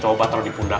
coba kalau dipundak